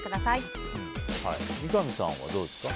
三上さんは、どうですか？